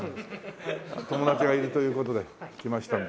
友達がいるという事で来ましたので。